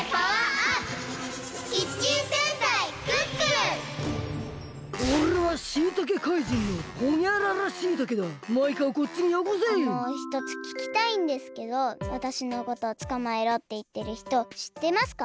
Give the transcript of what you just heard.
あのひとつききたいんですけどわたしのことつかまえろっていってるひとしってますか？